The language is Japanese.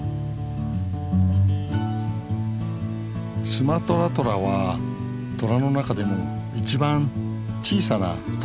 スマトラトラはトラの中でも一番小さなトラなんです。